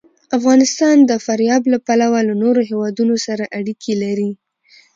افغانستان د فاریاب له پلوه له نورو هېوادونو سره اړیکې لري.